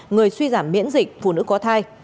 người suy giảm miễn dịch phụ nữ có thai